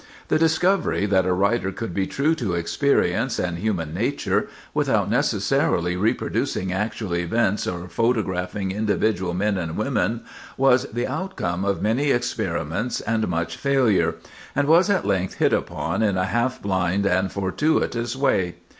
The discovery that a writer could be true to experience and human nature without necessarily reproducing actual events or photographing individual men and women, was the outcome of many experiments and much failure, and was at length hit upon in a half blind and fortuitous way.